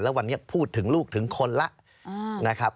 แล้ววันนี้พูดถึงลูกถึงคนแล้ว